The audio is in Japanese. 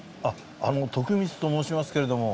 あの徳光と申しますけれども。